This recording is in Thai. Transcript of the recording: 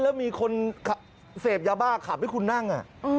แล้วมีคนเสพยาบ้าขับให้คุณนั่ง